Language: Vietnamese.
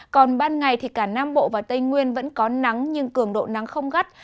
còn ban ngày thì cả nam bộ và tây nguyên vẫn có nắng nhưng cường độ nắng không gắt